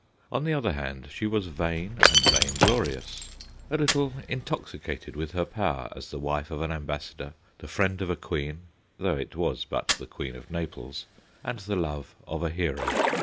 On the other hand, she was vain and vain glorious, a little intoxi cated with her power as the wife of an ambassador, the friend of a Queen though it was but the Queen of Naples and the love of a hero.